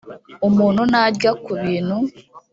umuntu narya ku bintu